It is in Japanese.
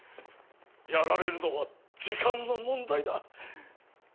やられるのは時間の問題だ。